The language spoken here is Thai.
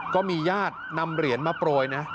ก็มีญาตินำเหรียญมาโปรยนะ